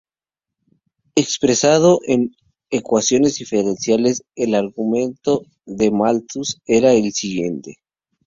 Expresado en ecuaciones diferenciales el argumento de Malthus era el siguiente.